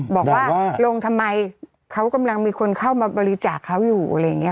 บอกว่าลงทำไมเขากำลังมีคนเข้ามาบริจาคเขาอยู่อะไรอย่างนี้